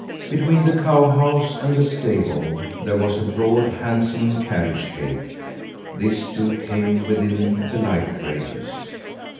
Between the cow house and the stable there was a broad, handsome carriage gate; this too came within the light radius.